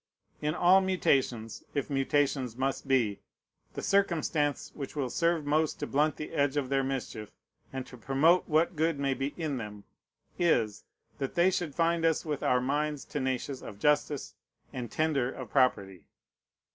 In all mutations (if mutations must be) the circumstance which will serve most to blunt the edge of their mischief, and to promote what good may be in them, is, that they should find us with our minds tenacious of justice and tender of property.